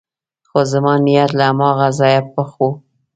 خو زما نیت له هماغه ځایه پخ و.